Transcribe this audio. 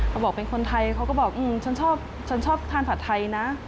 เขาบอกเป็นคนไทยเขาก็บอกฉันชอบฉันชอบทานผัดไทยนะ